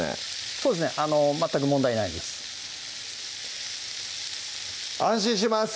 そうですね全く問題ないです安心します！